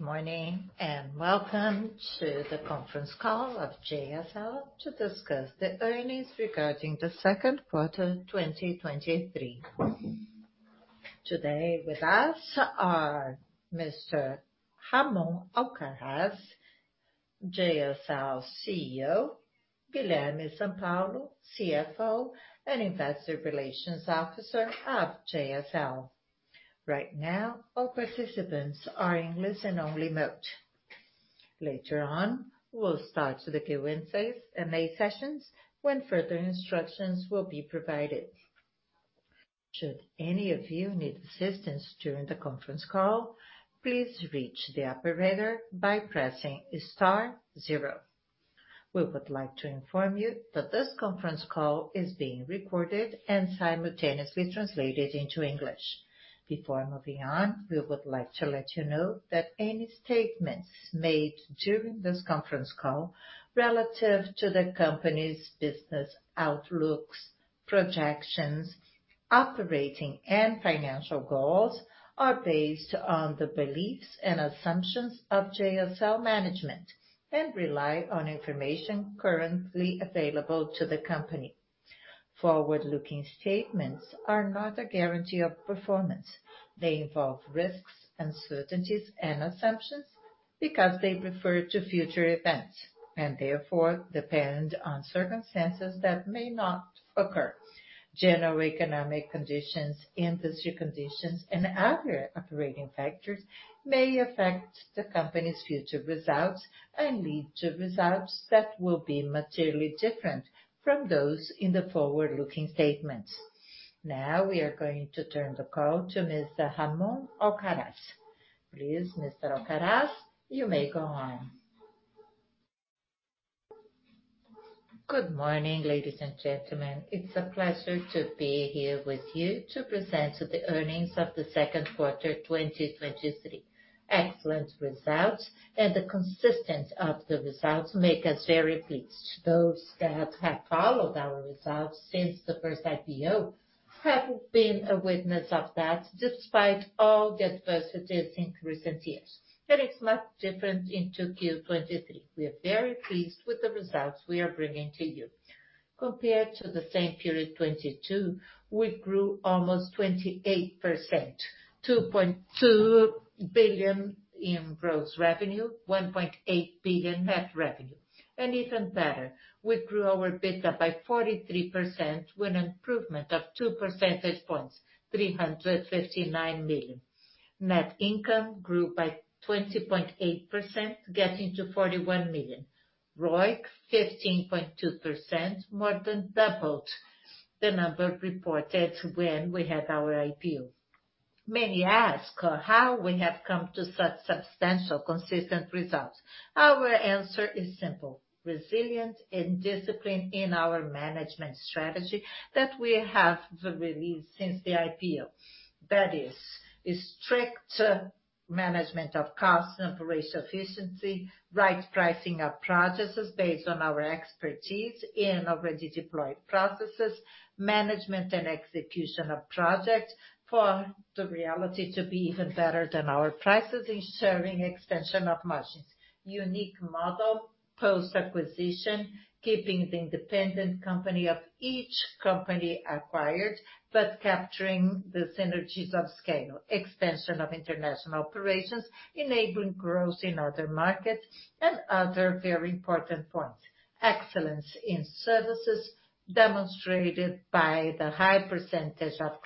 Good morning, welcome to the conference call of JSL to discuss the earnings regarding the Q2, 2023. Today with us are Mr. Ramon Alcaraz, JSL CEO, Guilherme Sampaio, CFO, and Investor Relations Officer of JSL. Right now, all participants are in listen only mode. Later on, we'll start the Q&A and A sessions when further instructions will be provided. Should any of you need assistance during the conference call, please reach the operator by pressing star 0. We would like to inform you that this conference call is being recorded and simultaneously translated into English. Before moving on, we would like to let you know that any statements made during this conference call relative to the company's business outlooks, projections, operating and financial goals, are based on the beliefs and assumptions of JSL management, and rely on information currently available to the company. Forward-looking statements are not a guarantee of performance. They involve risks, uncertainties, and assumptions because they refer to future events, and therefore depend on circumstances that may not occur. General economic conditions, industry conditions, and other operating factors may affect the company's future results and lead to results that will be materially different from those in the Forward-looking statements. Now, we are going to turn the call to Mr. Ramon Alcaraz. Please, Mr. Alcaraz, you may go on. Good morning, ladies and gentlemen. It's a pleasure to be here with you to present the earnings of the Q2, 2023. Excellent results and the consistent of the results make us very pleased. Those that have followed our results since the first IPO have been a witness of that, despite all the adversities in recent years. It's much different in Q2 2023. We are very pleased with the results we are bringing to you. Compared to the same period, 2022, we grew almost 28%, 2.2 billion in gross revenue, 1.8 billion net revenue. Even better, we grew our EBITDA by 43%, with an improvement of 2% points, 359 million. Net income grew by 20.8%, getting to 41 million. ROIC 15.2%, more than doubled the number reported when we had our IPO. Many ask how we have come to such substantial, consistent results. Our answer is simple: resilience and discipline in our management strategy that we have released since the IPO. That is a strict management of cost, operational efficiency, right pricing of processes based on our expertise in already deployed processes, management and execution of projects. For the reality to be even better than our prices ensuring expansion of margins. Unique model, post-acquisition, keeping the independent company of each company acquired, but capturing the synergies of scale. Expansion of international operations, enabling growth in other markets and other very important points. Excellence in services, demonstrated by the high % of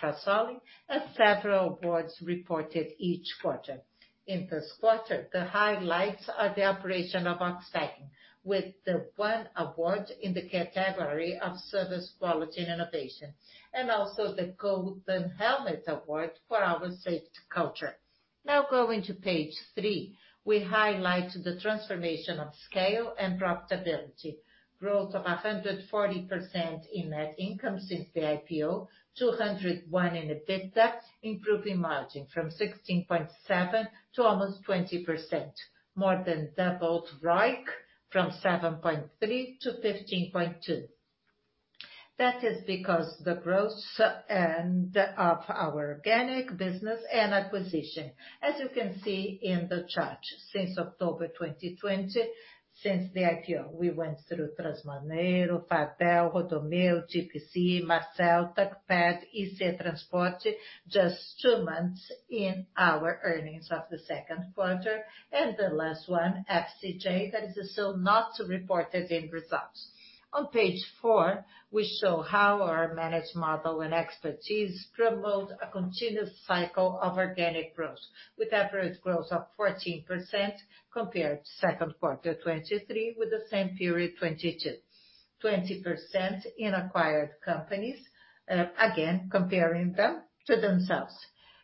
uncertain and several awards reported each quarter. In this quarter, the highlights are the operation of uncertain, with the 1 award in the category of service, quality, and innovation, and also the Golden Helmet Award for our safety culture. Now, going to page 3, we highlight the transformation of scale and profitability. Growth of 140% in net income since the IPO, 201 in EBITDA, improving margin from 16.7% to almost 20%. More than doubled ROIC from 7.3 to 15.2. That is because the growth and of our organic business and acquisition. As you can see in the chart, since October 2020, since the IPO, we went through Transmoreno, Fadel, Rodomeu, TPC, Marvel, TruckPad, IC Transportes, just two months in our earnings of the Q2, and the last one, FSJ, that is still not reported in results. On page four, we show how our managed model and expertise promote a continuous cycle of organic growth, with average growth of 14% compared to Q2 2023 with the same period, 2022. 20% in acquired companies, again, comparing them to themselves.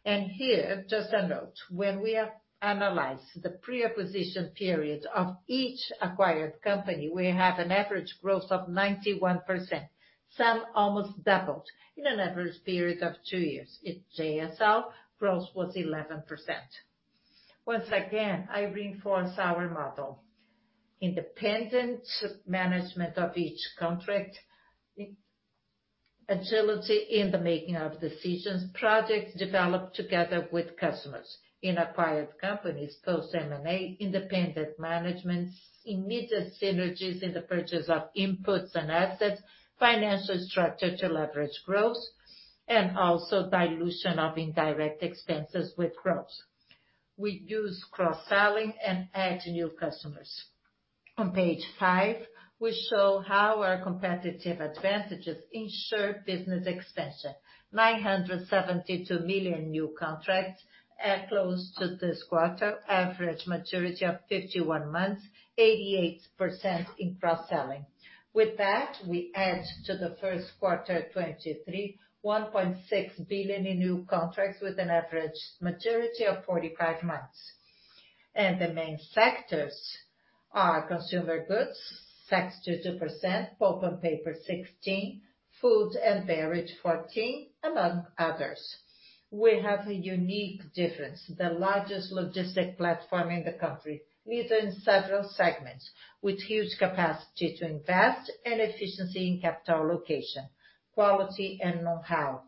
Here, just a note, when we analyze the pre-acquisition period of each acquired company, we have an average growth of 91%. Some almost doubled in an average period of two years. In JSL, growth was 11%. Once again, I reinforce our model. Independent management of each contract, agility in the making of decisions, projects developed together with customers in acquired companies, post M&A, independent management, immediate synergies in the purchase of inputs and assets, financial structure to leverage growth, also dilution of indirect expenses with growth. We use cross-selling and add new customers. On page five, we show how our competitive advantages ensure business expansion. $972 million new contracts are close to this quarter, average maturity of 51 months, 88% in cross-selling. With that, we add to the Q1 2023, $1.6 billion in new contracts with an average maturity of 45 months. The main sectors are consumer goods, 62%, pulp and paper, 16%, food and beverage, 14%, among others. We have a unique difference, the largest logistics platform in the country, leading several segments with huge capacity to invest and efficiency in capital location, quality and know-how,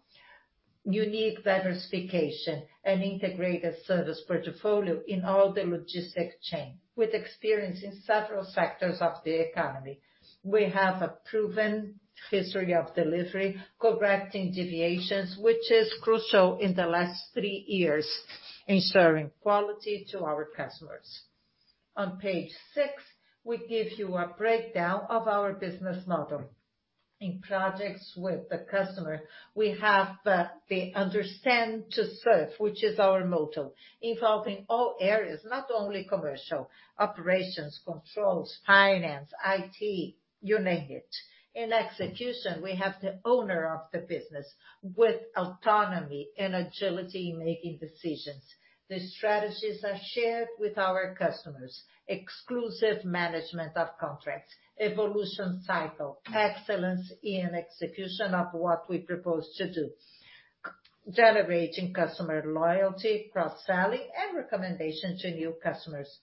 unique diversification and integrated service portfolio in all the logistics chain, with experience in several sectors of the economy. We have a proven history of delivery, correcting deviations, which is crucial in the last three years, ensuring quality to our customers. On page six, we give you a breakdown of our business model. In projects with the customer, we have the understand to serve, which is our motto, involving all areas, not only commercial, operations, controls, finance, IT, you name it. In execution, we have the owner of the business with autonomy and agility in making decisions. The strategies are shared with our customers, exclusive management of contracts, evolution cycle, excellence in execution of what we propose to do, generating customer loyalty, cross-selling, and recommendation to new customers.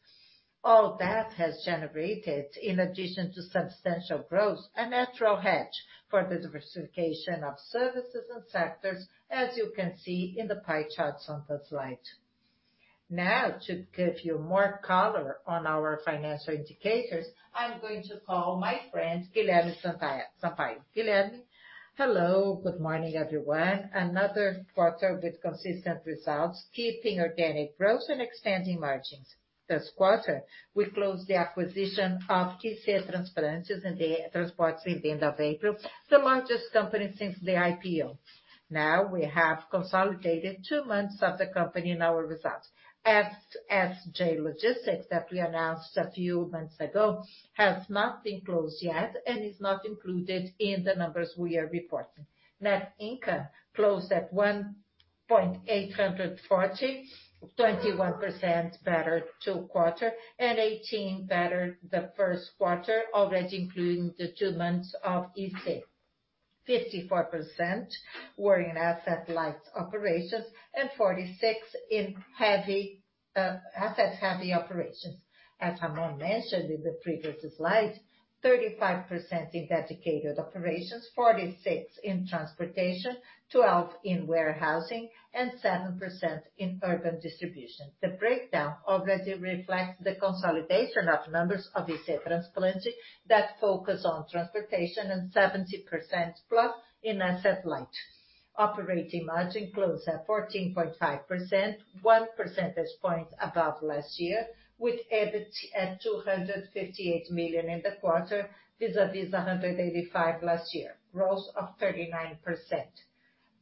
All that has generated, in addition to substantial growth, a natural hedge for the diversification of services and sectors, as you can see in the pie charts on the slide. To give you more color on our financial indicators, I'm going to call my friend, Guilherme Sampaio. Guilherme? Hello, good morning, everyone. Another quarter with consistent results, keeping organic growth and extending margins. This quarter, we closed the acquisition of IC Transportes and the Transportes at the end of April, the largest company since the IPO. We have consolidated two months of the company in our results. As J Logistics that we announced a few months ago, has not been closed yet and is not included in the numbers we are reporting. Net income closed at 1.840, 21% better Q2, and 18% better Q1, already including the two months of EC. 54% were in asset light operations, and 46% in heavy asset-heavy operations. As Ramon mentioned in the previous slide, 35% in dedicated operations, 46% in transportation, 12% in warehousing, and 7% in urban distribution. The breakdown already reflects the consolidation of numbers of IC Transportes that focus on transportation and 70%+ in asset light. Operating margin closed at 14.5%, 1% point above last year, with EBIT at 258 million in the quarter, vis-a-vis 185 million last year, growth of 39%.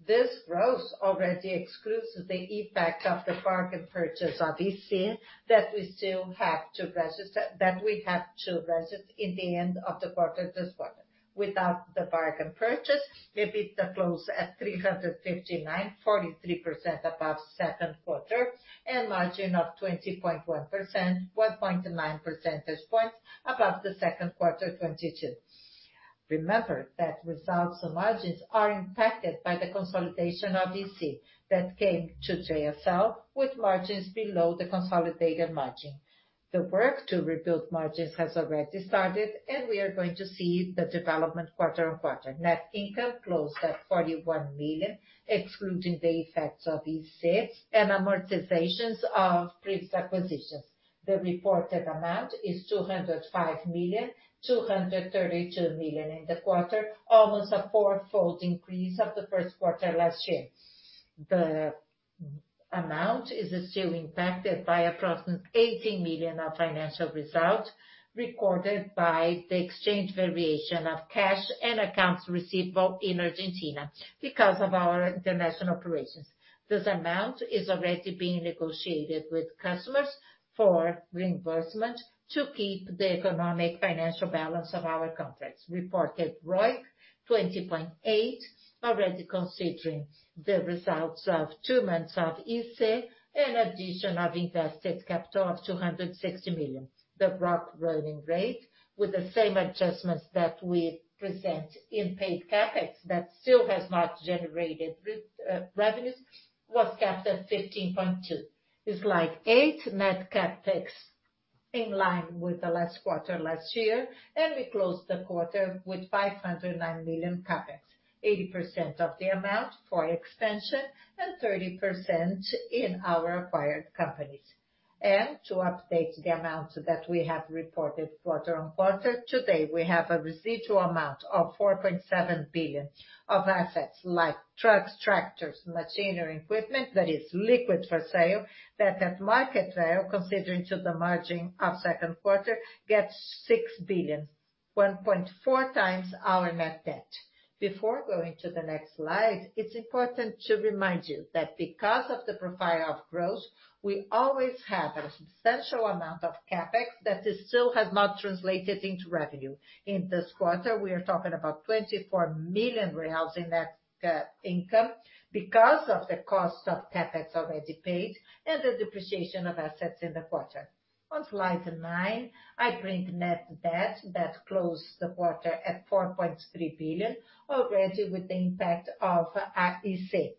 This growth already excludes the impact of the bargain purchase of EC, that we have to register in the end of the quarter this quarter. Without the bargain purchase, EBITDA closed at BRL 359, 43% above Q2, and margin of 20.1%, 1.9% points above Q2 2022. Remember that results and margins are impacted by the consolidation of EC, that came to JSL with margins below the consolidated margin. The work to rebuild margins has already started. We are going to see the development quarter-on-quarter. Net income closed at 41 million, excluding the Apex of EC and amortizations of previous acquisitions. The reported amount is 205 million, 232 million in the quarter, almost a four-fold increase of the Q1 last year. The amount is still impacted by approximate 18 million of financial results recorded by the exchange variation of cash and accounts receivable in Argentina, because of our international operations. This amount is already being negotiated with customers for reimbursement to keep the economic financial balance of our contracts. Reported ROIC, 20.8, already considering the results of two months of EC, and addition of invested capital of 260 million. The ROCE rolling rate, with the same adjustments that we present in paid CapEx that still has not generated revenues, was capped at 15.2. In slide eight, net CapEx... in line with the last quarter last year, and we closed the quarter with 509 million CapEx, 80% of the amount for expansion and 30% in our acquired companies. To update the amounts that we have reported quarter-on-quarter, today, we have a residual amount of 4.7 billion of assets, like trucks, tractors, machinery, equipment, that is liquid for sale, that at market value, considering to the margin of Second Quarter, gets 6 billion, 1.4x our net debt. Before going to the next slide, it's important to remind you that because of the profile of growth, we always have a substantial amount of CapEx that is still has not translated into revenue. In this quarter, we are talking about 24 million real in net income because of the costs of CapEx already paid and the depreciation of assets in the quarter. On slide nine, I bring net debt that closed the quarter at 4.3 billion, already with the impact of IC.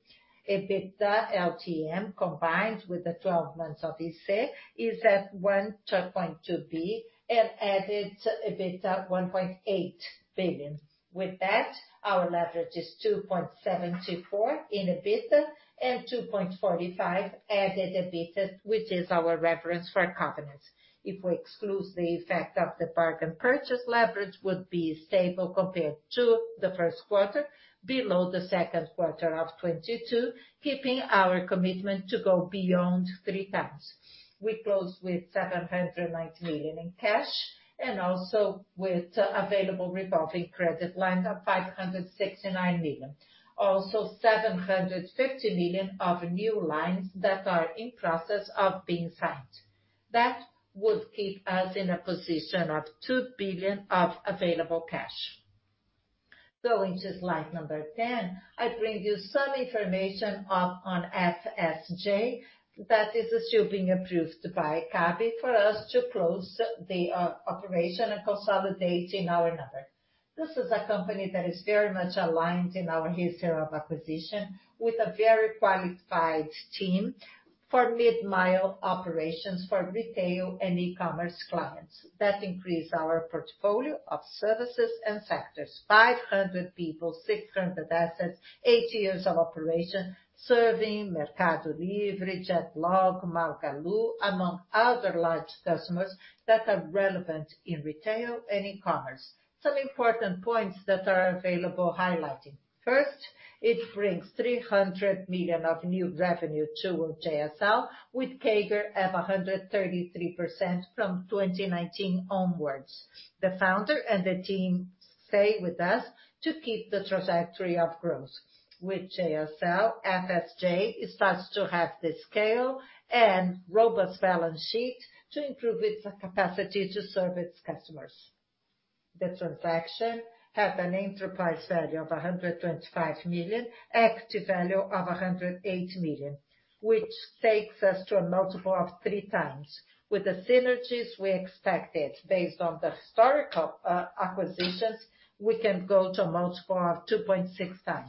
EBITDA LTM, combined with the 12 months of IC, is at 112.2 billion and added EBITDA 1.8 billion. With that, our leverage is 2.72x in EBITDA and 2.45x added EBITDA, which is our reference for covenants. If we exclude the effect of the bargain purchase, leverage would be stable compared to the Q1, below the Q2 of 2022, keeping our commitment to go beyond 3x. We close with 790 million in cash, and also with available revolving credit line of 569 million. 750 million of new lines that are in process of being signed. That would keep us in a position of 2 billion of available cash. Going to slide number 10, I bring you some information on, on FSJ that is still being approved by CADE for us to close the operation and consolidate in our number. This is a company that is very much aligned in our history of acquisition, with a very qualified team for mid-mile operations for retail and e-commerce clients. That increase our portfolio of services and sectors. 500 people, 600 assets, eight years of operation, serving Mercado Libre, Jadlog, Magalu, among other large customers that are relevant in retail and e-commerce. Some important points that are available highlighting. First, it brings $300 million of new revenue to JSL, with CAGR of 133% from 2019 onwards. The founder and the team stay with us to keep the trajectory of growth. With JSL, FSJ starts to have the scale and robust balance sheet to improve its capacity to serve its customers. The transaction have an enterprise value of 125 million, active value of 108 million, which takes us to a multiple of 3x. With the synergies we expected, based on the historical acquisitions, we can go to a multiple of 2.6x.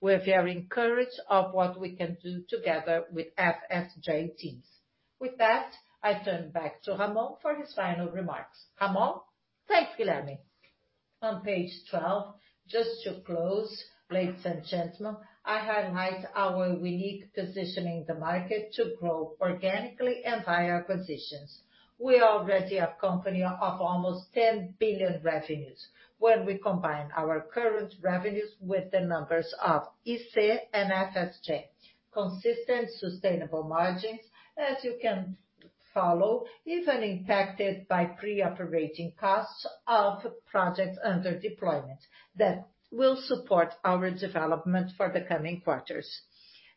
We're very encouraged of what we can do together with FSJ teams. With that, I turn back to Ramon for his final remarks. Ramon? Thanks, Guilherme. On page 12, just to close, ladies and gentlemen, I highlight our unique position in the market to grow organically and via acquisitions. We already a company of almost 10 billion revenues when we combine our current revenues with the numbers of IC and FSJ. Consistent, sustainable margins, as you can follow, even impacted by pre-operating costs of projects under deployment, that will support our development for the coming quarters.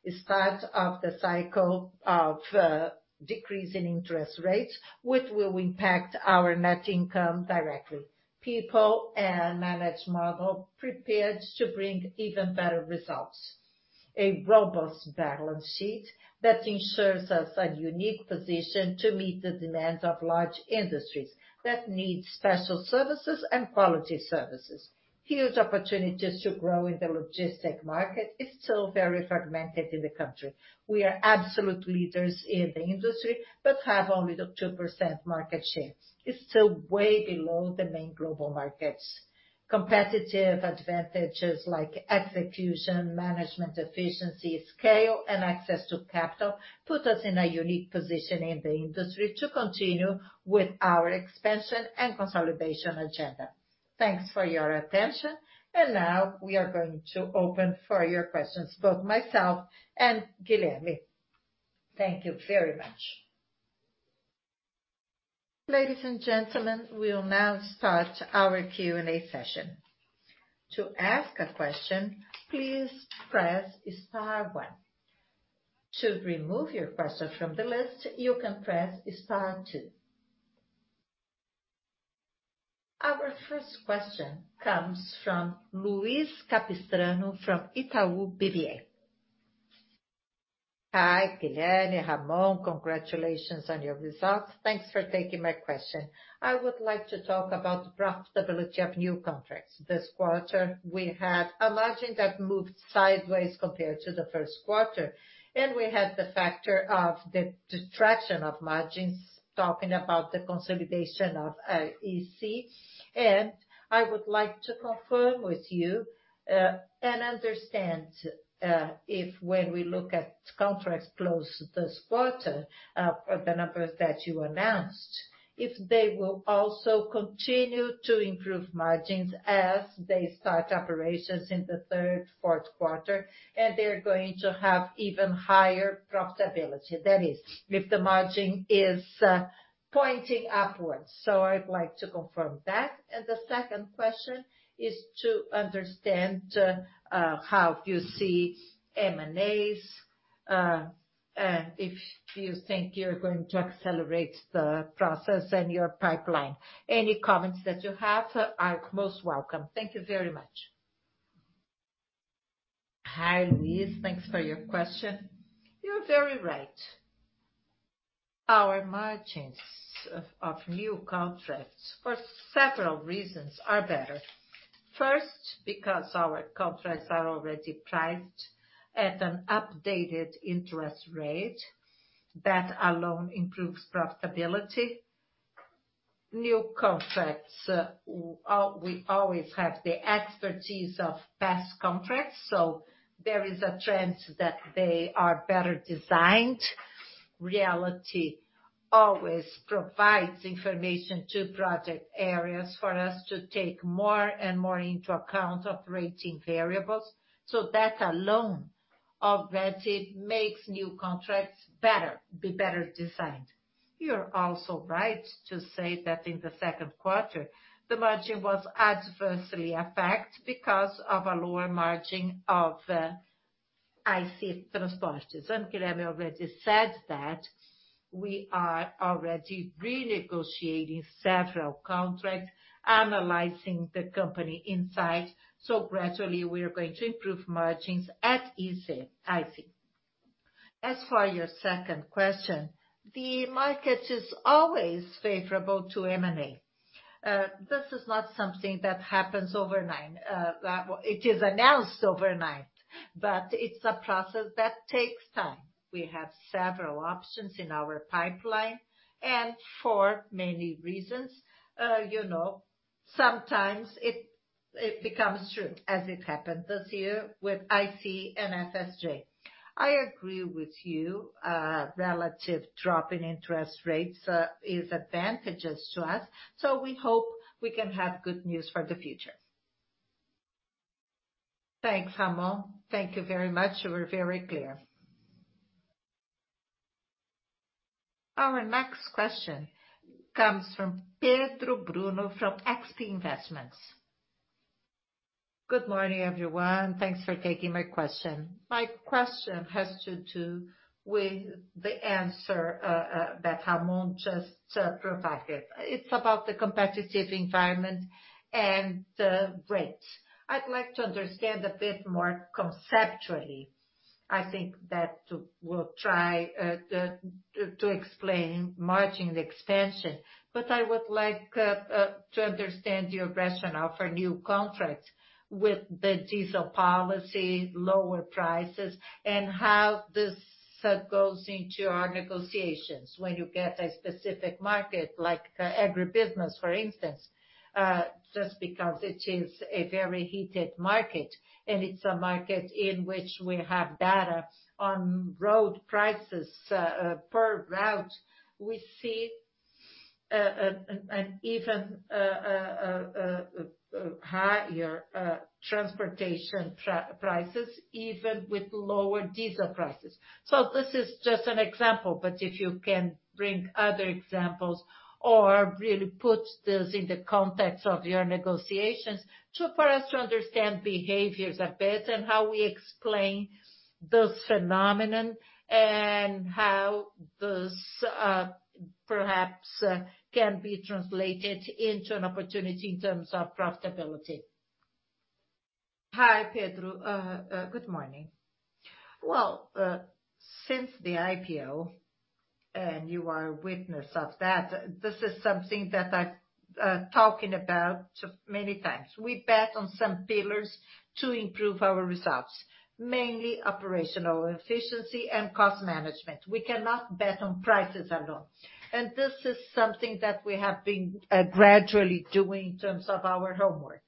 The start of the cycle of decreasing interest rates, which will impact our net income directly. People and management model prepared to bring even better results. A robust balance sheet that ensures us a unique position to meet the demands of large industries that need special services and quality services. Huge opportunities to grow in the logistics market, is still very fragmented in the country. We are absolute leaders in the industry, but have only the 2% market share. It's still way below the main global markets. Competitive advantages like execution, management efficiency, scale, and access to capital, put us in a unique position in the industry to continue with our expansion and consolidation agenda. Thanks for your attention. Now we are going to open for your questions, both myself and Guilherme. Thank you very much. Ladies and gentlemen, we will now start our Q&A session. To ask a question, please press star one. To remove your question from the list, you can press star two. Our first question comes from Luiz Capistrano, from Itaú BBA. Hi, Ramon, congratulations on your results. Thanks for taking my question. I would like to talk about the profitability of new contracts. This quarter, we had a margin that moved sideways compared to the Q1. We had the factor of the distraction of margins, talking about the consolidation of IC. I would like to confirm with you, and understand, if when we look at contracts closed this quarter, the numbers that you announced, if they will also continue to improve margins as they start operations in the third, Q4, and they're going to have even higher profitability. That is, if the margin is pointing upwards. I'd like to confirm that. The second question is to understand, how you see M&As, if you think you're going to accelerate the process and your pipeline. Any comments that you have are most welcome. Thank you very much. Hi, Louise, thanks for your question. You're very right. Our margins of, of new contracts, for several reasons, are better. First, because our contracts are already priced at an updated interest rate. That alone improves profitability. New contracts, we always have the expertise of past contracts. There is a trend that they are better designed. Reality always provides information to project areas for us to take more and more into account operating variables. That alone, already makes new contracts be better designed. You're also right to say that in the Q2, the margin was adversely affect because of a lower margin of IC Transportes. Guilherme already said that we are already renegotiating several contracts, analyzing the company inside. Gradually we are going to improve margins at IC, IC. As for your second question, the market is always favorable to M&A. This is not something that happens overnight. It is announced overnight, but it's a process that takes time. We have several options in our pipeline, for many reasons, you know, sometimes it, it becomes true, as it happened this year with IC and FSJ. I agree with you, relative drop in interest rates, is advantageous to us. We hope we can have good news for the future. Thanks, Ramon. Thank you very much. You were very clear. Our next question comes from Pedro Bruno, from XP Investments. Good morning, everyone. Thanks for taking my question. My question has to do with the answer, that Ramon just provided. It's about the competitive environment and the rates. I'd like to understand a bit more conceptually. I think that we'll try to explain margin expansion, but I would like to understand your rationale for new contracts with the diesel policy, lower prices, and how this goes into our negotiations when you get a specific market, like agribusiness, for instance. Just because it is a very heated market, and it's a market in which we have data on road prices per route. We see an even higher transportation prices, even with lower diesel prices. This is just an example, but if you can bring other examples or really put this in the context of your negotiations, so for us to understand behaviors a bit and how we explain this phenomenon, and how this perhaps can be translated into an opportunity in terms of profitability. Hi, Pedro, good morning. Well, since the IPO, and you are a witness of that, this is something that I'm talking about many times. We bet on some pillars to improve our results, mainly operational efficiency and cost management. We cannot bet on prices alone. This is something that we have been gradually doing in terms of our homework.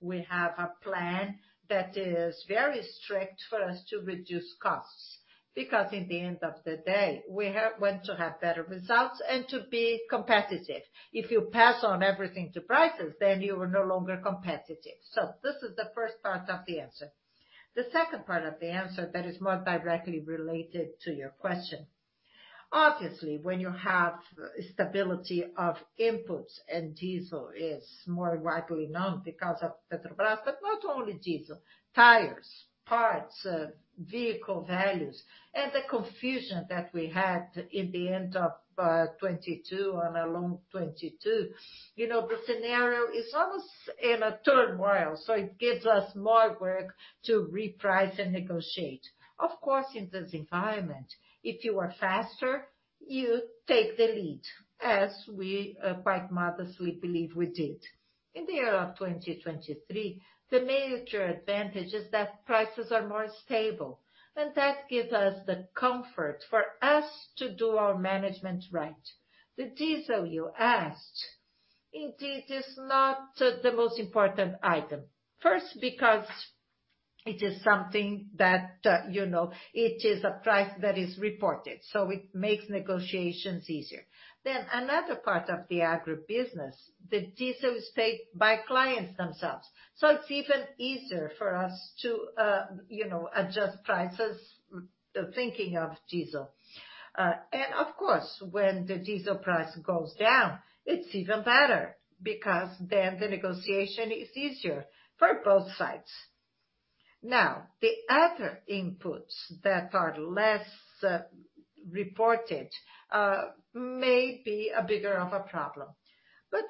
We have a plan that is very strict for us to reduce costs, because in the end of the day, we want to have better results and to be competitive. If you pass on everything to prices, then you are no longer competitive. This is the first part of the answer. The second part of the answer that is more directly related to your question: obviously, when you have stability of inputs, and diesel is more widely known because of Petrobras, but not only diesel, tires, parts, vehicle values, and the confusion that we had in the end of 2022 and along 2022, you know, the scenario is almost in a turmoil, so it gives us more work to reprice and negotiate. Of course, in this environment, if you are faster, you take the lead, as we quite modestly believe we did. In the year of 2023, the major advantage is that prices are more stable, and that gives us the comfort for us to do our management right. The diesel you asked, indeed, is not the most important item. First, because it is something that, you know, it is a price that is reported, it makes negotiations easier. Another part of the agribusiness, the diesel is paid by clients themselves, it's even easier for us to, you know, adjust prices, thinking of diesel. Of course, when the diesel price goes down, it's even better, because the negotiation is easier for both sides. The other inputs that are less reported, may be a bigger of a problem.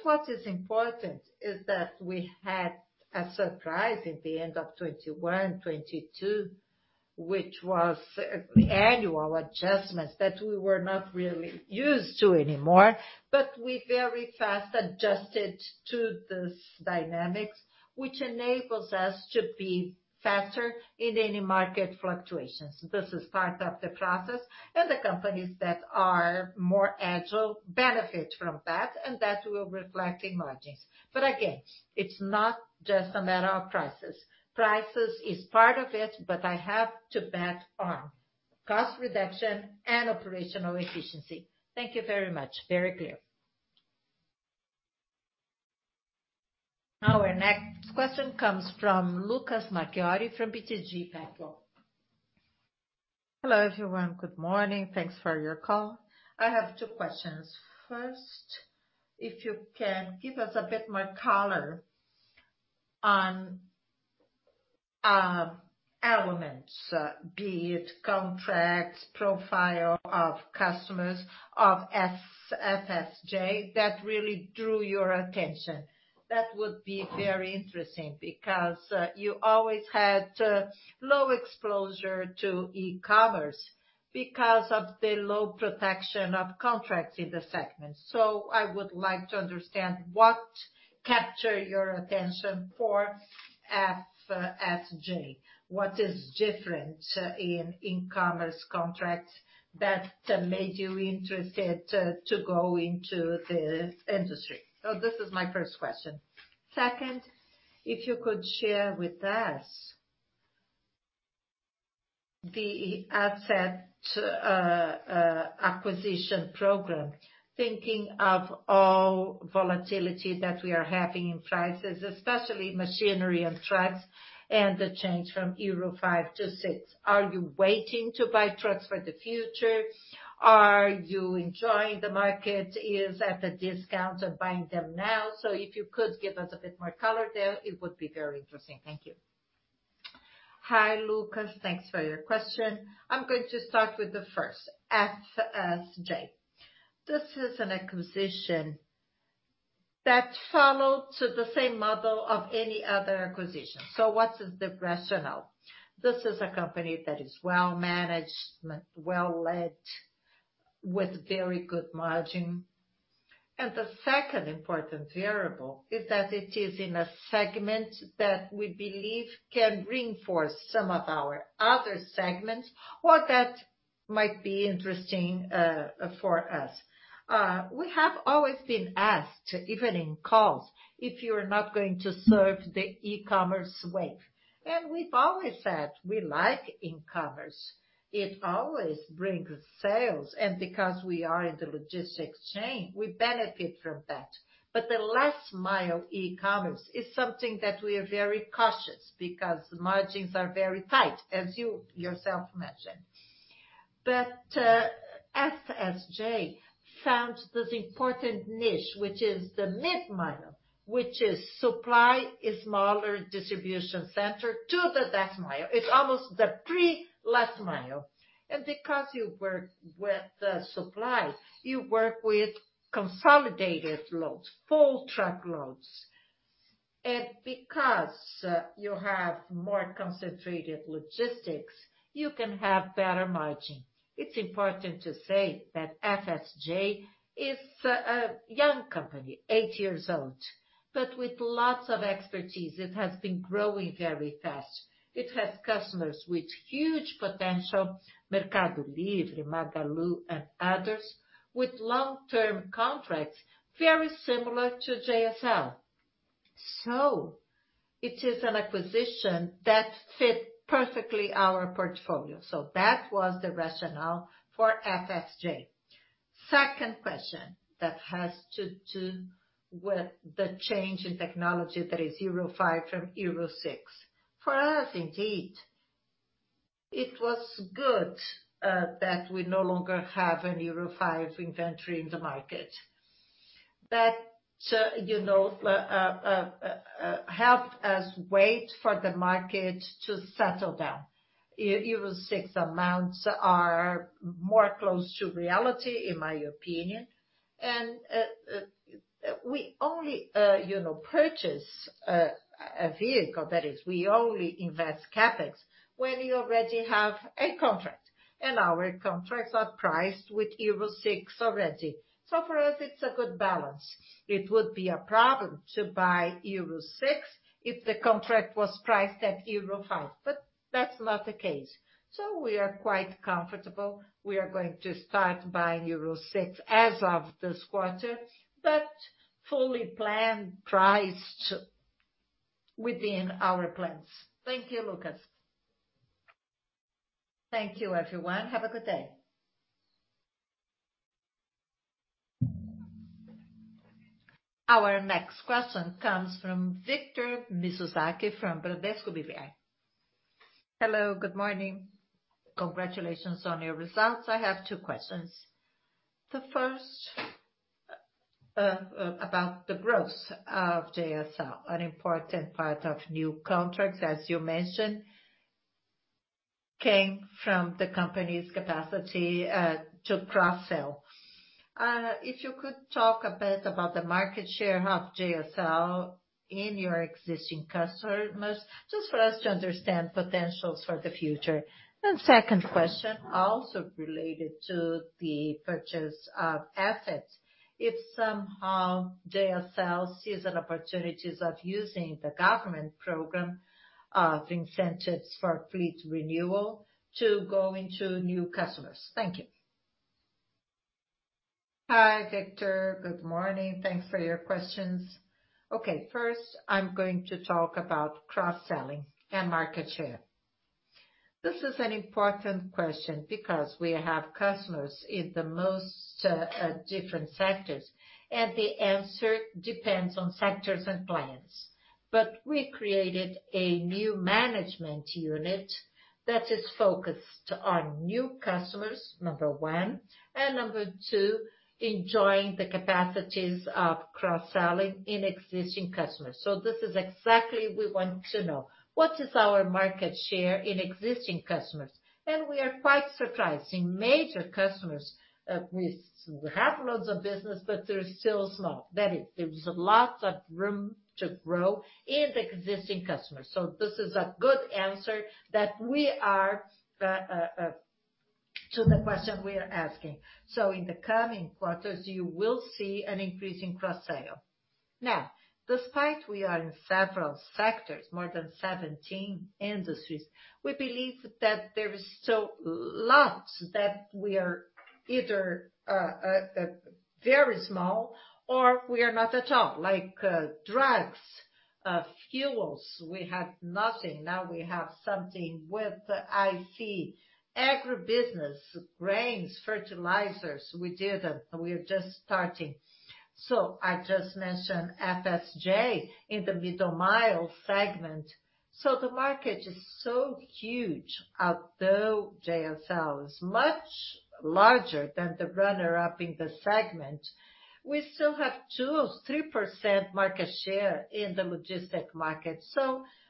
What is important is that we had a surprise at the end of 2021, 2022, which was annual adjustments that we were not really used to anymore, but we very fast adjusted to this dynamics, which enables us to be faster in any market fluctuations. This is part of the process, and the companies that are more agile benefit from that, and that will reflect in margins. Again, it's not just a matter of prices. Prices is part of it, but I have to bet on cost reduction and operational efficiency. Thank you very much. Very clear. Our next question comes from Lucas Macchiari, from BTG Pactual. Hello, everyone. Good morning. Thanks for your call. I have two questions. First, if you can give us a bit more color on elements, be it contracts, profile of customers, of FSJ, that really drew your attention. That would be very interesting, because you always had low exposure to e-commerce because of the low protection of contracts in the segment. I would like to understand what capture your attention for FSJ. What is different in commerce contracts that made you interested to go into the industry? This is my first question. Second, if you could share with us... the asset acquisition program, thinking of all volatility that we are having in prices, especially machinery and trucks, and the change from Euro 5 toEuro 6. Are you waiting to buy trucks for the future? Are you enjoying the market is at a discount and buying them now? If you could give us a bit more color there, it would be very interesting. Thank you. Hi, Lucas. Thanks for your question. I'm going to start with the first, FSJ. This is an acquisition that followed to the same model of any other acquisition. What is the rationale? This is a company that is well managed, well led, with very good margin. The second important variable is that it is in a segment that we believe can reinforce some of our other segments, or that might be interesting for us. We have always been asked, even in calls, if you're not going to serve the e-commerce wave. We've always said, we like e-commerce. It always brings sales, and because we are in the logistics chain, we benefit from that. The last mile e-commerce is something that we are very cautious, because margins are very tight, as you yourself mentioned. JSL found this important niche, which is the mid-mile, which is supply a smaller distribution center to the last mile. It's almost the pre-last mile. Because you work with the supply, you work with consolidated loads, full truckloads. Because you have more concentrated logistics, you can have better margin. It's important to say that FSJ is a young company, eight years old, but with lots of expertise, it has been growing very fast. It has customers with huge potential, Mercado Libre, Magalu, and others, with long-term contracts, very similar to JSL. It is an acquisition that fit perfectly our portfolio. That was the rationale for FSJ. Second question, that has to do with the change in technology, that is Euro 5 from Euro 6. For us, indeed, it was good that we no longer have an Euro 5 inventory in the market. You know, helped us wait for the market to settle down. Euro 6 amounts are more close to reality, in my opinion, and we only, you know, purchase... A vehicle, that is, we only invest CapEx when you already have a contract, and our contracts are priced with Euro 6 already. For us, it's a good balance. It would be a problem to buy Euro 6 if the contract was priced at Euro 5, but that's not the case. We are quite comfortable. We are going to start buying Euro 6 as of this quarter, but fully planned, priced within our plans. Thank you, Lucas. Thank you, everyone. Have a good day. Our next question comes from Victor Mizusaki, from Bradesco BBI. Hello, good morning. Congratulations on your results. I have two questions. The first, about the growth of JSL, an important part of new contracts, as you mentioned, came from the company's capacity to cross-sell. If you could talk a bit about the market share of JSL in your existing customers, just for us to understand potentials for the future. Second question, also related to the purchase of assets. If somehow JSL sees an opportunities of using the government program, incentives for fleet renewal to go into new customers. Thank you. Hi, Victor. Good morning. Thanks for your questions. Okay, first, I'm going to talk about cross-selling and market share. This is an important question because we have customers in the most different sectors, and the answer depends on sectors and clients. We created a new management unit that is focused on new customers, number one, and number two, enjoying the capacities of cross-selling in existing customers. This is exactly we want to know: what is our market share in existing customers? We are quite surprised. In major customers, we have loads of business, but they're still small. That is, there is a lot of room to grow in the existing customers. This is a good answer that we are to the question we are asking. In the coming quarters, you will see an increase in cross-sale. Despite we are in several sectors, more than 17 industries, we believe that there is still lots that we are either very small or we are not at all, like drugs, fuels, we have nothing. We have something with IT, agribusiness, grains, fertilizers. We didn't, we are just starting. I just mentioned FSJ in the middle mile segment. The market is so huge. Although JSL is much larger than the runner-up in the segment, we still have 2%, 3% market share in the logistics market.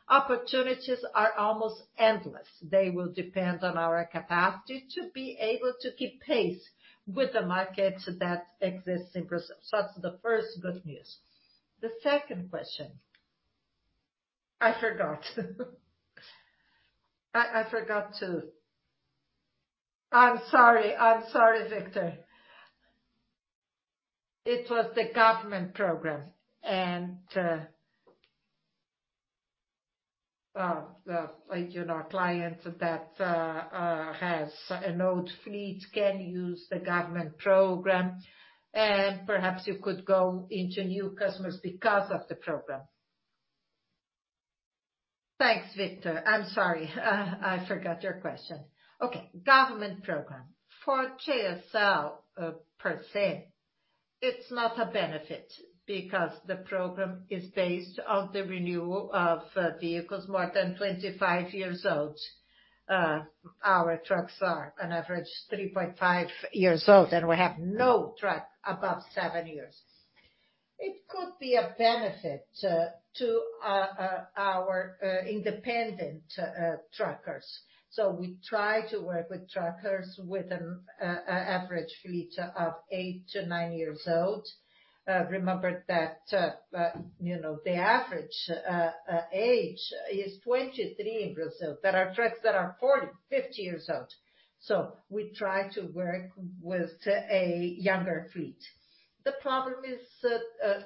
Opportunities are almost endless. They will depend on our capacity to be able to keep pace with the market that exists in Brazil. That's the first good news. The second question. I forgot. I forgot to. I'm sorry. I'm sorry, Victor. It was the government program, the, you know, clients that have an old fleet can use the government program. Perhaps you could go into new customers because of the program. Thanks, Victor. I'm sorry, I forgot your question. Okay. Government program. For JSL, per se, it's not a benefit because the program is based on the renewal of vehicles more than 25 years old. Our trucks are on average 3.5 years old, and we have no truck above seven years. It could be a benefit to our independent truckers. We try to work with truckers with an average fleet of eihgt years to nine years old. Remember that, you know, the average age is 23 in Brazil, there are trucks that are 40years, 50 years old, so we try to work with a younger fleet. The problem is,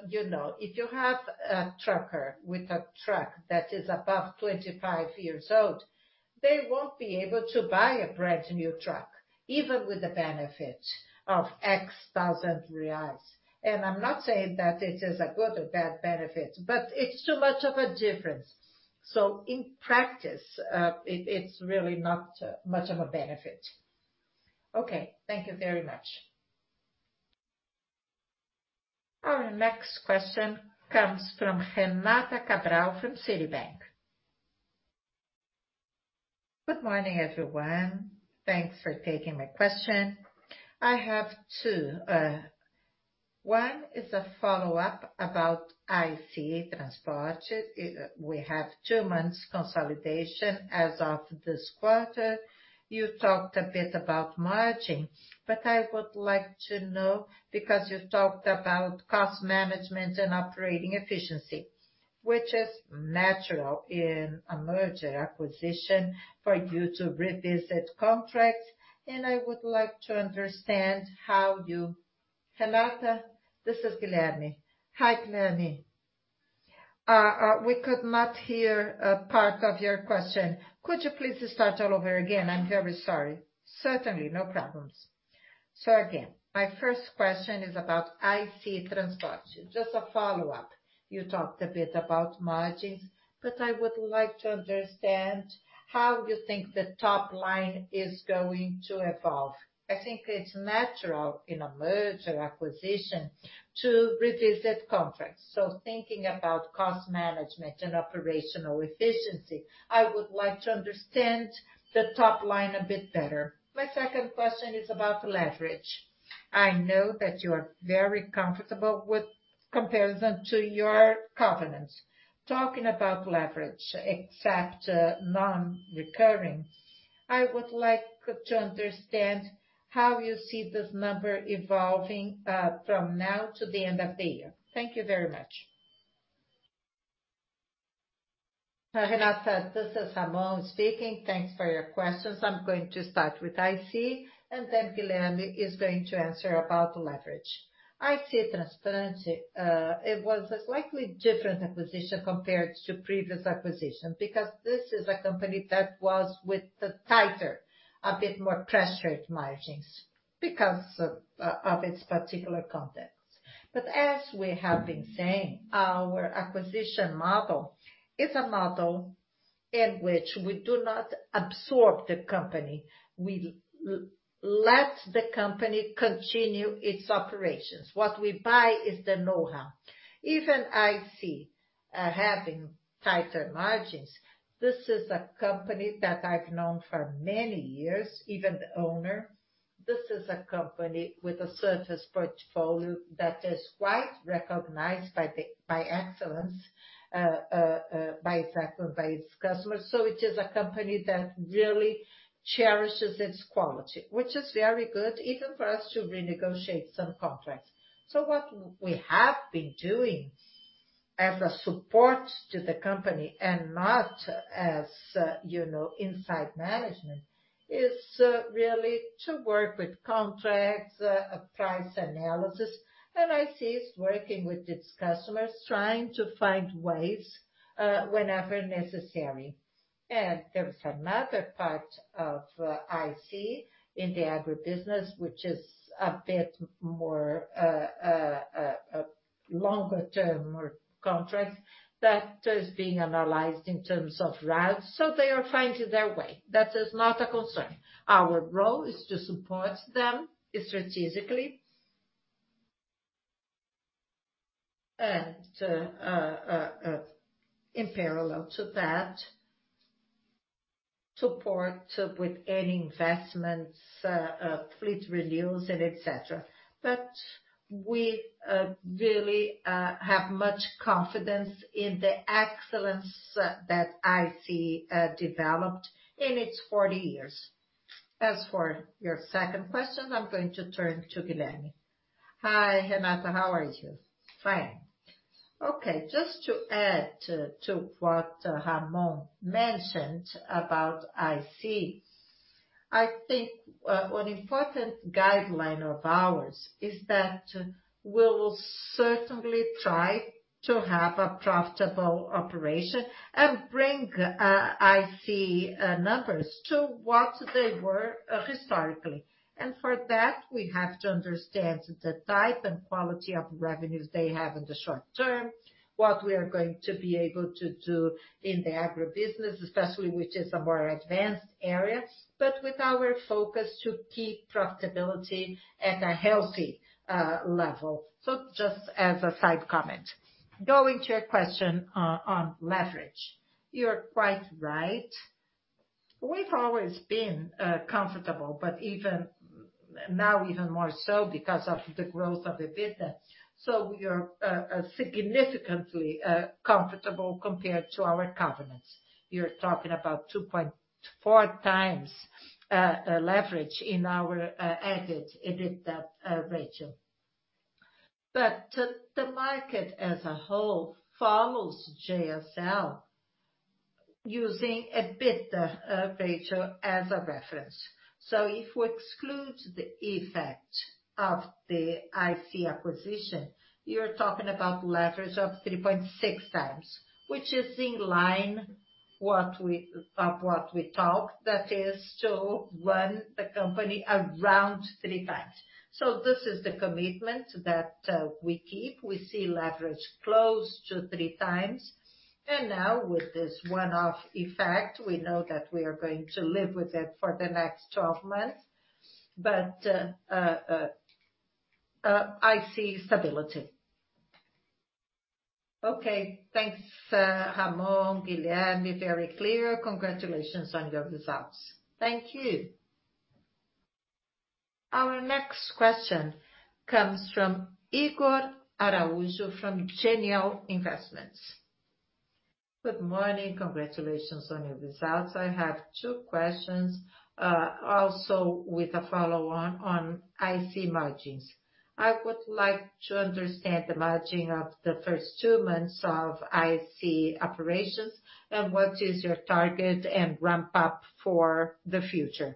you know, if you have a trucker with a truck that is above 25 years old, they won't be able to buy a brand-new truck, even with the benefit of BRL X thousand. I'm not saying that it is a good or bad benefit, but it's too much of a difference. In practice, it's really not much of a benefit. Okay, thank you very much. Our next question comes from Renata Cabral, from Citibank. Good morning, everyone. Thanks for taking my question. I have two. One is a follow-up aboutIC Transportes. We have two months consolidation as of this quarter. You talked a bit about margin, but I would like to know, because you've talked about cost management and operating efficiency. Which is natural in a merger acquisition for you to revisit contracts, and I would like to understand how you. Renata, this is Guilherme. Hi, Guilherme. We could not hear, part of your question. Could you please start all over again? I'm very sorry. Certainly, no problems. Again, my first question is aboutIC Transportes. Just a follow-up. You talked a bit about margins, but I would like to understand how you think the top line is going to evolve. I think it's natural in a merger acquisition to revisit contracts. Thinking about cost management and operational efficiency, I would like to understand the top line a bit better. My second question is about leverage. I know that you're very comfortable with comparison to your covenants. Talking about leverage, except, non-recurring, I would like to understand how you see this number evolving from now to the end of the year. Thank you very much. Hi, Renata, this is Ramon speaking. Thanks for your questions. I'm going to start with IC, and then Guilherme is going to answer about leverage. IC Transportes, it was a slightly different acquisition compared to previous acquisition, because this is a company that was with the tighter, a bit more pressured margins because of its particular context. As we have been saying, our acquisition model is a model in which we do not absorb the company, we let the company continue its operations. What we buy is the know-how. Even IC, having tighter margins, this is a company that I've known for many years, even the owner. This is a company with a service portfolio that is quite recognized by excellence, by its sector, by its customers. It is a company that really cherishes its quality, which is very good even for us to renegotiate some contracts. What we have been doing as a support to the company and not as, you know, inside management, is really to work with contracts, price analysis, and IC is working with its customers, trying to find ways whenever necessary. There is another part of IC in the agribusiness, which is a bit more a longer-term contract that is being analyzed in terms of routes. They are finding their way. That is not a concern. Our role is to support them strategically, in parallel to that, support with any investments, fleet renewals and et cetera. We really have much confidence in the excellence that IC developed in its 40 years. As for your second question, I'm going to turn to Guilherme. Hi, Renata, how are you? Fine. Okay, just to add to what Ramon mentioned about IC, I think an important guideline of ours is that we will certainly try to have a profitable operation and bring IC numbers to what they were historically. For that, we have to understand the type and quality of revenues they have in the short term, what we are going to be able to do in the agribusiness, especially, which is a more advanced areas, but with our focus to keep profitability at a healthy level. Just as a side comment. Going to your question on leverage. You're quite right. We've always been comfortable, but now, even more so because of the growth of the business. We are significantly comfortable compared to our covenants. You're talking about 2.4x leverage in our EBITDA ratio. The market as a whole follows JSL using EBITDA ratio as a reference. If we exclude the effect of the IC acquisition, you're talking about leverage of 3.6x, which is in line what we, of what we talk, that is to run the company around 3x. This is the commitment that we keep. We see leverage close to 3x. Now with this one-off effect, we know that we are going to live with it for the next 12 months, I see stability. Okay. Thanks, Ramon, Guilherme, very clear. Congratulations on your results. Thank you. Our next question comes from Igor Araujo, from Genial Investments. Good morning. Congratulations on your results. I have two questions, also with a follow-on on IC margins. I would like to understand the margin of the first twoF months of IC operations, and what is your target and ramp up for the future?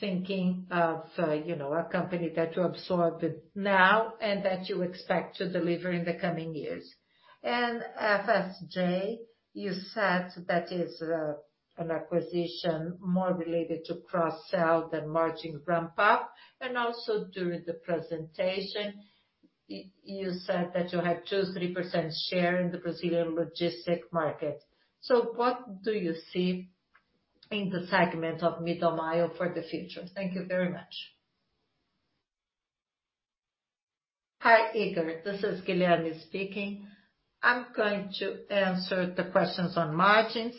Thinking of, you know, a company that you absorbed now and that you expect to deliver in the coming years. FSJ, you said that is an acquisition more related to cross-sell than margin ramp up. Also during the presentation, you said that you have 2%-3% share in the Brazilian logistics market. What do you see in the segment of middle mile for the future? Thank you very much. Hi, Igor, this is Guilherme speaking. I'm going to answer the questions on margins,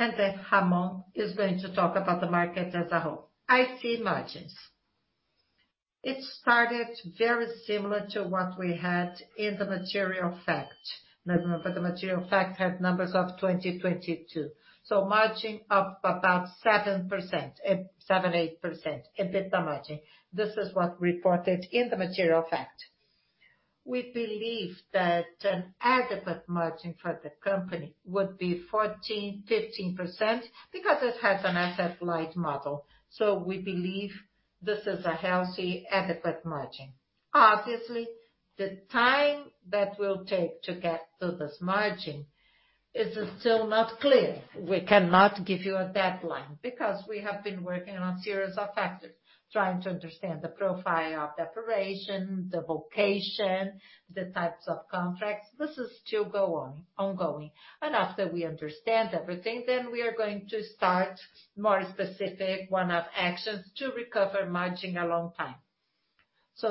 and then Ramon is going to talk about the market as a whole. IC margins. It started very similar to what we had in the material fact. The material fact had numbers of 2022, margin of about 7%, 7%-8% EBITDA margin. This is what reported in the material fact. We believe that an adequate margin for the company would be 14%-15%, because it has an asset light model. We believe this is a healthy, adequate margin. Obviously, the time that we'll take to get to this margin is still not clear. We cannot give you a deadline because we have been working on a series of factors, trying to understand the profile of the operation, the vocation, the types of contracts. This is still ongoing. After we understand everything, we are going to start more specific one-off actions to recover margin along time.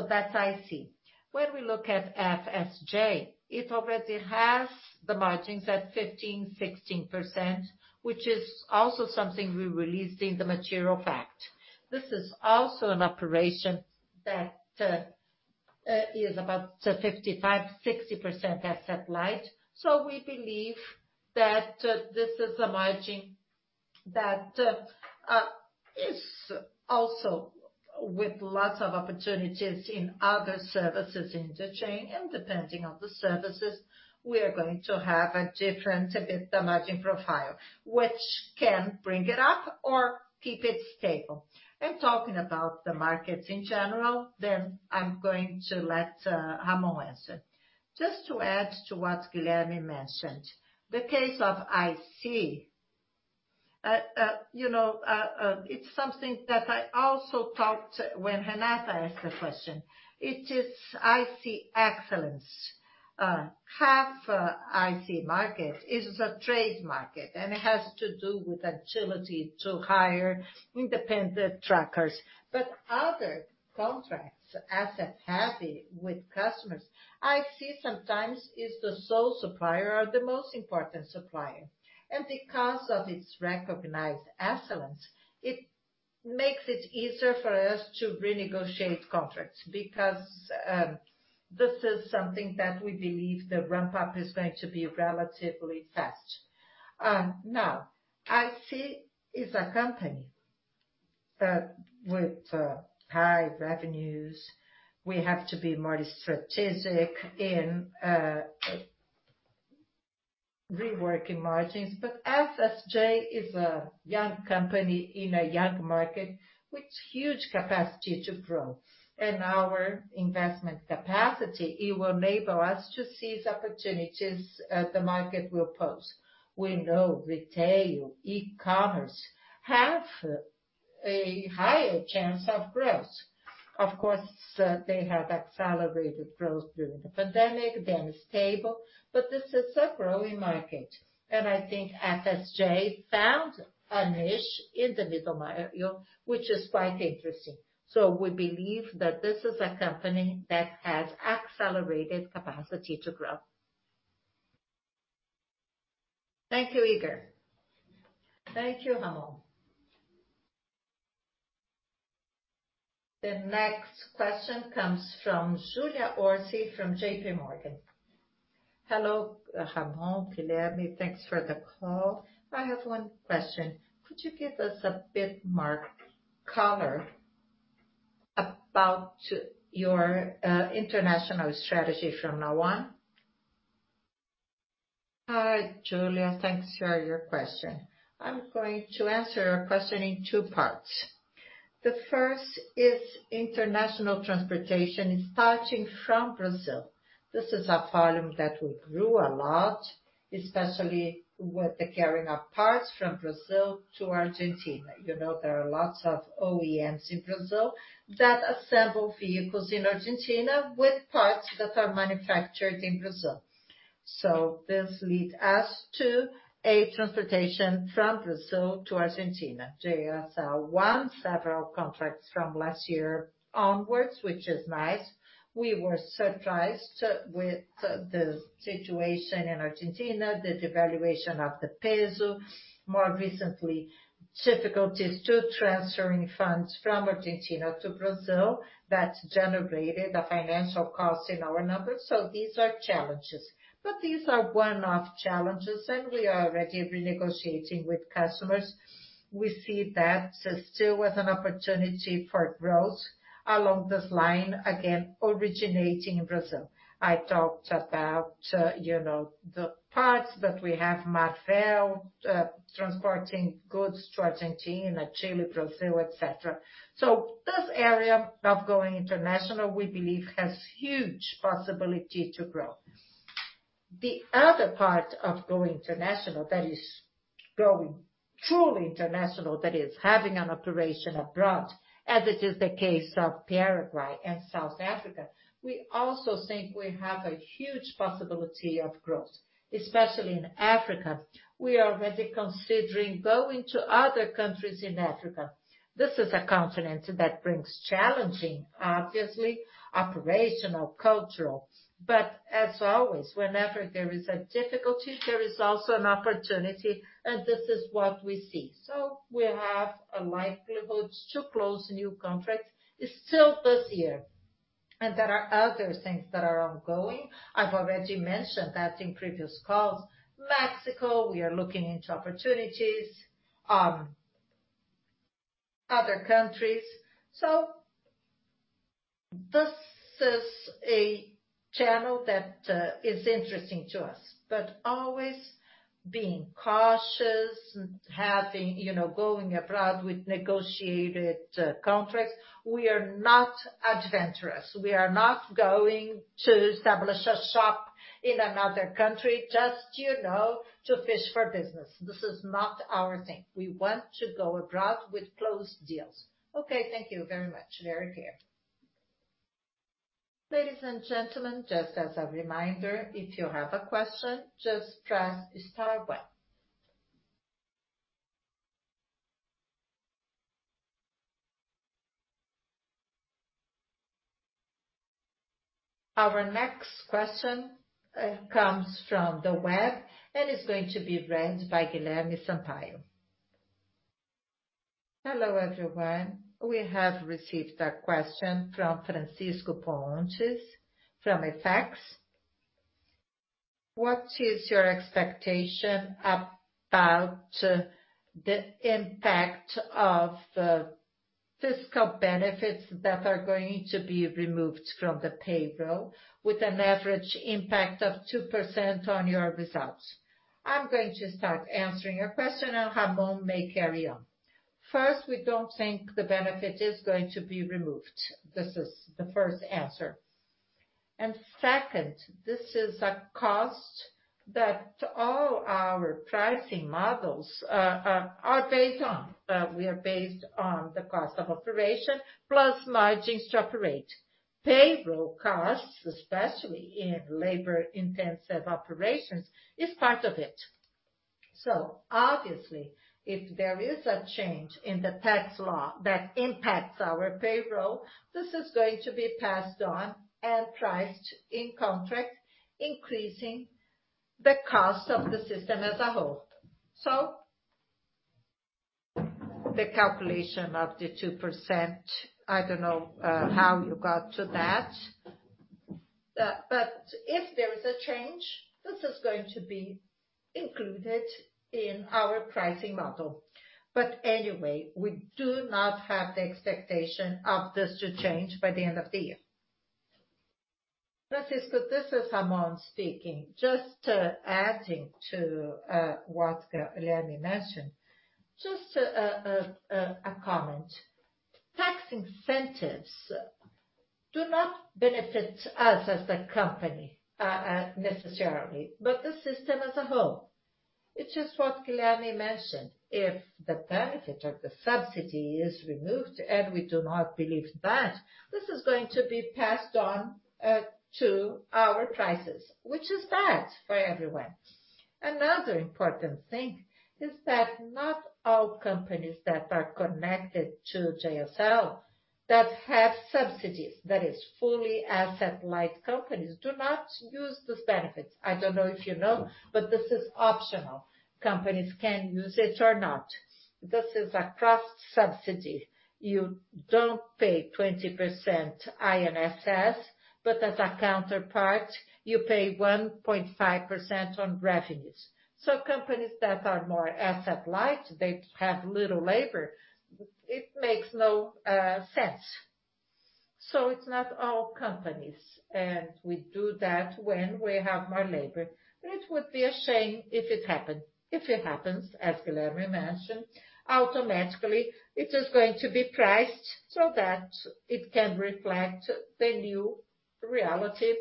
That's IC. When we look at JSL, it already has the margins at 15%-16%, which is also something we released in the material fact. This is also an operation that is about 55%-60% asset light. We believe that this is a margin that is also with lots of opportunities in other services in the chain, and depending on the services, we are going to have a different EBITDA margin profile, which can bring it up or keep it stable. Talking about the markets in general, then I'm going to let Ramon answer. Just to add to what Guilherme mentioned, the case of IC, you know, it's something that I also talked when Renata asked the question. It is IC excellence. Half, IC market is a trade market, and it has to do with agility to hire independent truckers. Other contracts, asset heavy with customers, IC some$ is the sole supplier or the most important supplier. Because of its recognized excellence, it makes it easier for us to renegotiate contracts, because this is something that we believe the ramp-up is going to be relatively fast. Now, IC is a company that with high revenues, we have to be more strategic in reworking margins. FSJ is a young company in a young market with huge capacity to grow. Our investment capacity, it will enable us to seize opportunities the market will pose. We know retail, e-commerce have a higher chance of growth. Of course, they have accelerated growth during the pandemic, then stable, but this is a growing market. I think JSL found a niche in the middle mile, which is quite interesting. We believe that this is a company that has accelerated capacity to grow. Thank you, Igor. Thank you, Ramon. The next question comes from Julia Orsi, from JP Morgan. Hello, Ramon, Guilherme, thanks for the call. I have one question: Could you give us a bit more color about your international strategy from now on? Hi, Julia, thanks for your question. I'm going to answer your question in two parts. The first is international transportation, starting from Brazil. This is a volume that we grew a lot, especially with the carrying of parts from Brazil to Argentina. You know, there are lots of OEMs in Brazil that assemble vehicles in Argentina with parts that are manufactured in Brazil. This leads us to a transportation from Brazil to Argentina. JSL won several contracts from last year onwards, which is nice. We were surprised with the situation in Argentina, the devaluation of the peso, more recently, difficulties to transferring funds from Argentina to Brazil. That generated a financial cost in our numbers. These are challenges, but these are one-off challenges, and we are already renegotiating with customers. We see that still as an opportunity for growth along this line, again, originating in Brazil. I talked about, you know, the parts that we have, Marvel, transporting goods to Argentina, Chile, Brazil, et cetera. This area of going international, we believe, has huge possibility to grow. The other part of going international, that is going truly international, that is having an operation abroad, as it is the case of Paraguay and South Africa, we also think we have a huge possibility of growth, especially in Africa. We are already considering going to other countries in Africa. This is a continent that brings challenging, obviously, operational, cultural, as always, whenever there is a difficulty, there is also an opportunity, and this is what we see. We have a likelihood to close new contracts still this year. There are other things that are ongoing. I've already mentioned that in previous calls. Mexico, we are looking into opportunities, other countries. This is a channel that is interesting to us, but always being cautious and having, you know, going abroad with negotiated contracts. We are not adventurous. We are not going to establish a shop in another country, just, you know, to fish for business. This is not our thing. We want to go abroad with closed deals. Thank you very much, Larry here. Ladies and gentlemen, just as a reminder, if you have a question, just press star one. Our next question comes from the web and is going to be read by Guilherme Sampaio. Hello, everyone. We have received a question from Francisco Pontes, from Apex. What is your expectation about the impact of the fiscal benefits that are going to be removed from the payroll with an average impact of 2% on your results? I'm going to start answering your question. Ramon may carry on. First, we don't think the benefit is going to be removed. This is the first answer. Second, this is a cost that all our pricing models are based on. We are based on the cost of operation, plus margins to operate. Payroll costs, especially in labor-intensive operations, is part of it. Obviously, if there is a change in the tax law that impacts our payroll, this is going to be passed on and priced in contract, increasing the cost of the system as a whole. The calculation of the 2%, I don't know how you got to that, but if there is a change, this is going to be included in our pricing model. Anyway, we do not have the expectation of this to change by the end of the year. Francisco, this is Ramon speaking. Just adding to what Guilherme mentioned, just a comment. Tax incentives do not benefit us as the company necessarily, but the system as a whole. It's just what Guilherme mentioned. If the benefit or the subsidy is removed, and we do not believe that, this is going to be passed on to our prices, which is bad for everyone. Another important thing is that not all companies that are connected to JSL that have subsidies, that is, fully asset-light companies, do not use this benefit. I don't know if you know, but this is optional. Companies can use it or not. This is a cross-subsidy. You don't pay 20% INSS, but as a counterpart, you pay 1.5% on revenues. Companies that are more asset light, they have little labor, it makes no sense. It's not all companies, and we do that when we have more labor. It would be a shame if it happened. If it happens, as Guilherme mentioned, automatically it is going to be priced so that it can reflect the new reality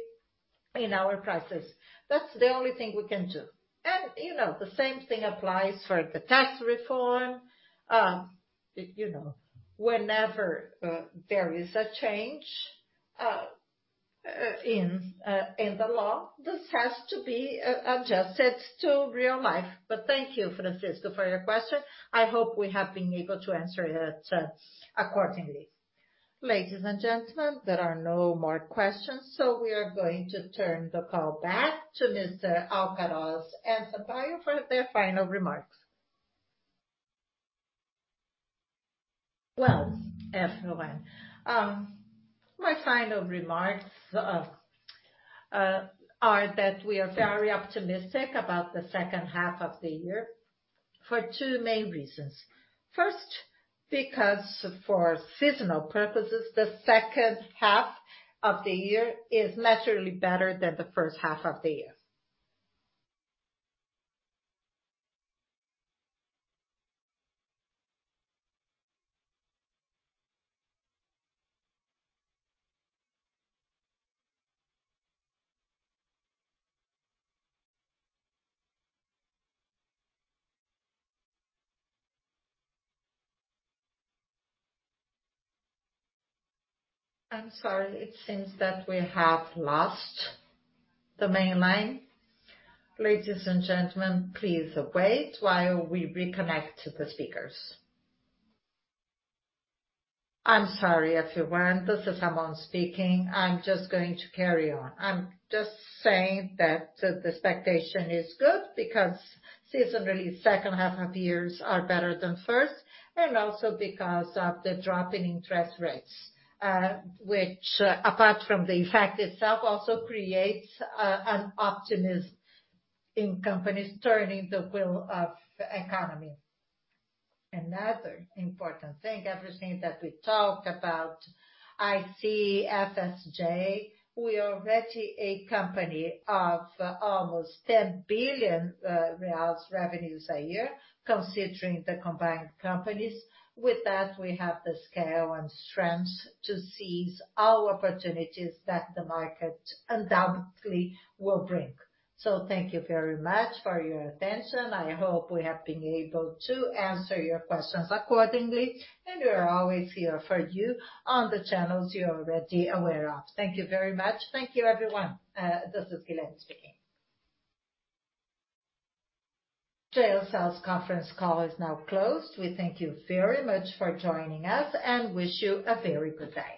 in our prices. That's the only thing we can do. You know, the same thing applies for the tax reform. You know, whenever there is a change in the law, this has to be adjusted to real life. Thank you, Francisco, for your question. I hope we have been able to answer it accordingly. Ladies and gentlemen, there are no more questions, we are going to turn the call back to Mr. Alcaraz and Sampaio for their final remarks. Well, everyone, my final remarks are that we are very optimistic about the H2 of the year for two main reasons. First, because for seasonal purposes, the H2 of the year is naturally better than the first half of the year. I'm sorry, it seems that we have lost the main line. Ladies and gentlemen, please wait while we reconnect to the speakers. I'm sorry, everyone, this is Ramon speaking. I'm just going to carry on. I'm just saying that the expectation is good because seasonally, H2 of years are better than first, and also because of the drop in interest rates, which, apart from the effect itself, also creates an optimism in companies turning the wheel of economy. Another important thing, everything that we talked about, JSL, we are already a company of almost 10 billion reais revenues a year, considering the combined companies. With that, we have the scale and strength to seize our opportunities that the market undoubtedly will bring. Thank you very much for your attention. I hope we have been able to answer your questions accordingly, and we are always here for you on the channels you're already aware of. Thank you very much. Thank you, everyone. This is Helene speaking. JSL Sales conference call is now closed. We thank you very much for joining us, and wish you a very good day.